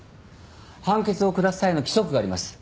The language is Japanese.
判決を下す際の規則があります。